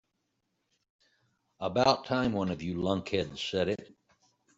About time one of you lunkheads said it.